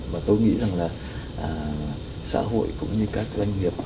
và tôi nghĩ rằng là xã hội cũng như các doanh nghiệp